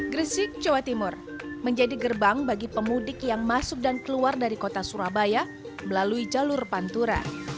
gresik jawa timur menjadi gerbang bagi pemudik yang masuk dan keluar dari kota surabaya melalui jalur pantura